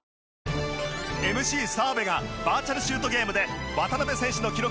ＭＣ澤部がバーチャル・シュートゲームで渡邊選手の記録